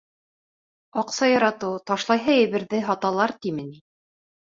Аҡса яратыу Ташлайһы әйберҙе һаталар тиме ни?